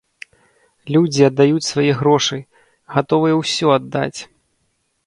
Людзі аддаюць свае грошы, гатовыя ўсё аддаць!